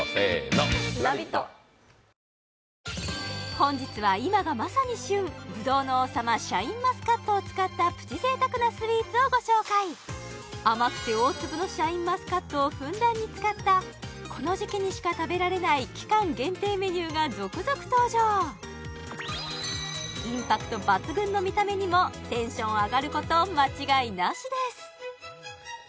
本日は今がまさに旬ぶどうの王様シャインマスカットを使ったプチ贅沢なスイーツをご紹介甘くて大粒のシャインマスカットをふんだんに使ったこの時期にしか食べられない期間限定メニューが続々登場インパクト抜群の見た目にもテンション上がること間違いなしです